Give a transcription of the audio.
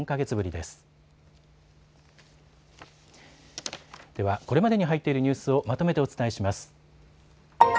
ではこれまでに入っているニュースをまとめてお伝えします。